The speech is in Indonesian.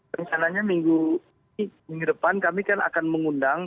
misalnya minggu depan kami akan mengundang